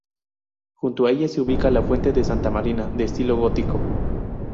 Junto a ella se ubica la fuente de Santa Marina, de estilo gótico.